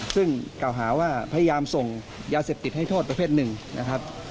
ซึ่งเก่าหาว่าพยายามส่งยาเสพติดให้โทษประเภทหนึ่งนะครับ